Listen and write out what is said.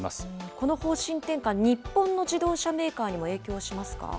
この方針転換、日本の自動車メーカーにも影響しますか？